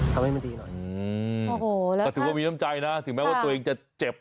แต่ถึงว่ามีล้ำใจนะถึงแม้ว่าตัวเองจะเจ็บ